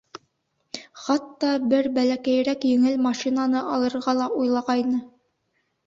Хатта бер бәләкәйерәк еңел машинаны алырға ла уйлағайны.